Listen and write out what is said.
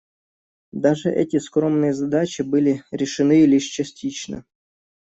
Даже эти скромные задачи были решены лишь частично.